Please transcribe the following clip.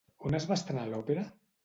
On es va estrenar l'òpera?